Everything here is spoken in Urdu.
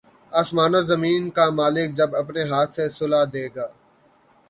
آسمان و زمین کا مالک جب اپنے ہاتھ سے صلہ دے گا